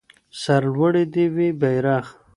سرلوړی دې وي بيرغ.